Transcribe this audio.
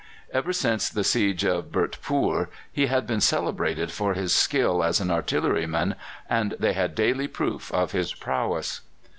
Ever since the siege of Bhurtpoor he had been celebrated for his skill as an artilleryman, and they had daily proof of his prowess.